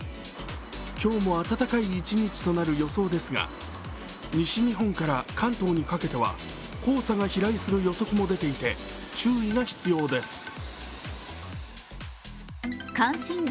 今日も暖かい一日となる予想ですが、西日本から関東にかけては黄砂が飛来する予測も出ていて注意が必要です。